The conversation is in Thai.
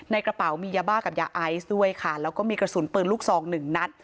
ในกระเป๋ามียาบ้ากับยาไอซ์ด้วยค่ะแล้วก็มีกระสุนปืนลูกซองหนึ่งนัด